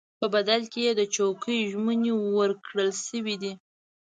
په بدل کې یې د چوکیو ژمنې ورکړل شوې دي.